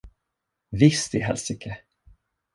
Visst i helsike!